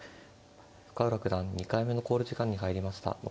深浦九段２回目の考慮時間に入りました。